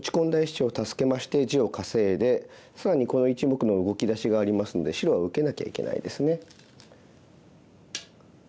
１子を助けまして地を稼いで更にこの１目の動きだしがありますので白は受けなきゃいけないですね。